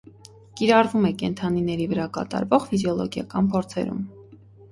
Կիրառվում է կենդանիների վրա կատարվող ֆիզիոլոգիական ֆորձերում։